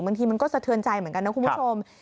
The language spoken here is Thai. บางทีมันก็สะเทือนใจเหมือนกันนะคุณผู้ชม